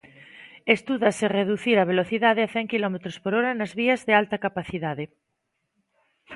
Estudase reducir a velocidade a cen quilómetros por hora nas vías de alta capacidade.